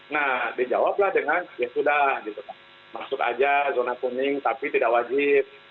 nah dijawablah dengan ya sudah gitu kan masuk aja zona kuning tapi tidak wajib